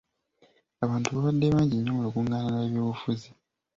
Abantu baabadde bangi nnyo mu lukungaana lw'eby'obufuzi.